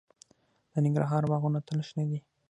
د ننګرهار باغونه تل شنه دي.